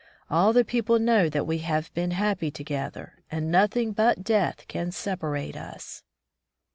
All the people know that we have been happy together, and nothing but death can separate us."